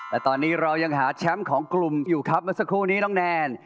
และตอนนี้เรายังหาแชมป์ของกลุ่มอยู่ครับเมื่อสักครู่นี้น้องแนน